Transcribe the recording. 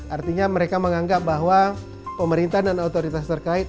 artinya mereka menganggap bahwa pemerintah dan otoritas terkait